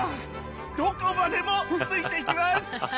どこまでもついていきます！